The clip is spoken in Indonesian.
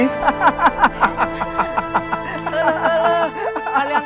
kalian tak beruntung pisah